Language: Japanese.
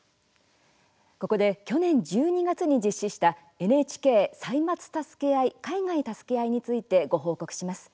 ここで、去年１２月に実施した「ＮＨＫ歳末たすけあい・海外たすけあい」についてご報告します。